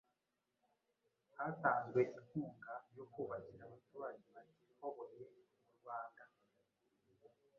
Hatanzwe inkunga yokubakira abaturage batihoboye mu Rwanda